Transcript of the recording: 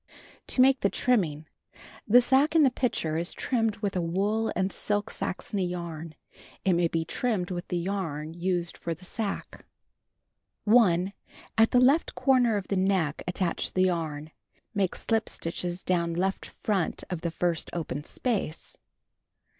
To ]\Iake the Trimming: The sacque in the picture is trimmed with a wool and silk Saxony j' arn. It may be trunmed with tlu^ yarn used for the sacque. 1. At the left corner of the neck attach the yarn. Make slip stitches down left front to the first open sjiace.